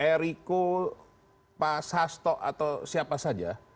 eriko pak sasto atau siapa saja